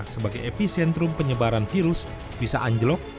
sebagai epicentrum penyebaran virus bisa anjlok